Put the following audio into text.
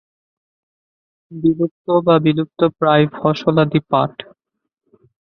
বিলুপ্ত বা বিলুপ্তপ্রায় ফসলাদি পাট।